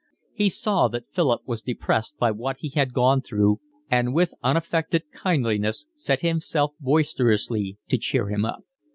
He saw that Philip was depressed by what he had gone through and with unaffected kindliness set himself boisterously to cheer him up.